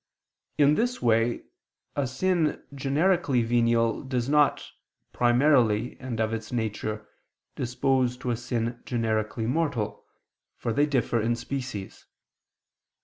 In this way, a sin generically venial does not, primarily and of its nature, dispose to a sin generically mortal, for they differ in species.